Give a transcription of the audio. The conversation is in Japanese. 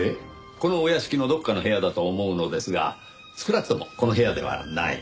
このお屋敷のどこかの部屋だと思うのですが少なくともこの部屋ではない。